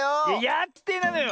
やってないのよ！